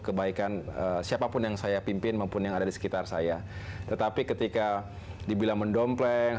kebaikan siapapun yang saya pimpin maupun yang ada di sekitar saya tetapi ketika dibilang mendompleng